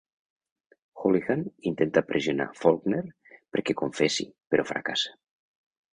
Hoolihan intenta pressionar Faulkner perquè confessi, però fracassa.